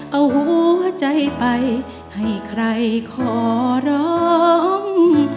เอาหัวใจไปให้ใครขอร้อง